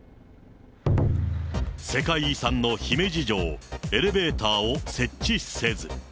世界遺産の姫路城、エレベーターを設置せず。